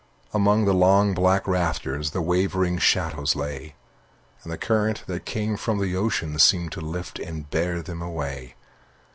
Among the long, black rafters The wavering shadows lay, And the current that came from the ocean Seemed to lift and bear them away.